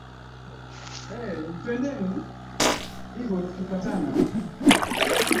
Kilele cha Mlima Mtorwi hupatikana mkoani Njombe